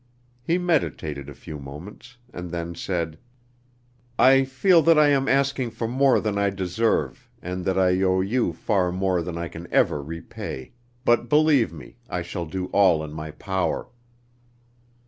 He meditated a few moments, and then said: "I feel that I am asking for more than I deserve, and that I owe you far more than I can ever repay, but believe me, I shall do all in my power."